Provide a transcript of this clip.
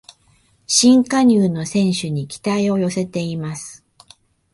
新加入の選手に期待を寄せています